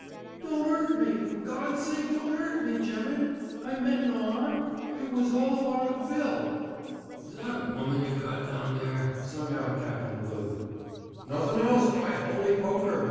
'Don't 'urt me! for God's sake, don't 'urt me, gemmen! I meant no 'arm. It was all along of Bill.' 'Is that a woman you've got down there?' sung out Captain Glew. 'Nothing else, by the holy poker!'